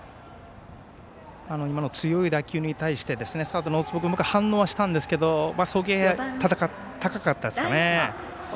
今の強い打球に対してサードの大坪選手は反応はしたんですけども送球が高かったですね。